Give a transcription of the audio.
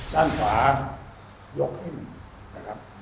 ด้านขวายกขึ้นนะครับ